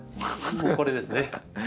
これですね。